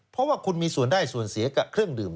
เพราะว่าคุณมีส่วนได้ส่วนเสียกับเครื่องดื่ม